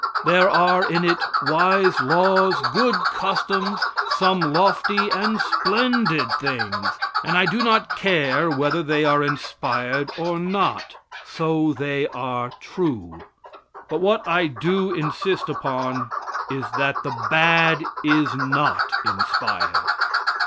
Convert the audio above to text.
There are in it wise laws, good customs, some lofty and splendid things. And I do not care whether they are inspired or not, so they are true. But what I do insist upon is that the bad is not inspired.